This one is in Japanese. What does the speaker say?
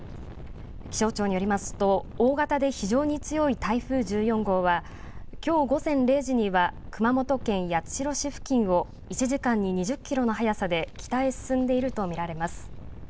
気象庁によりますと、大型で非常に強い台風１４号は、きょう午前０時には熊本県八代市付近を１時間に２０キロの速さで北へ進んでいると見られます。